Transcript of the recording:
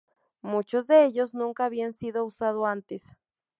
Muchos de ellos nunca habían sido usado antes.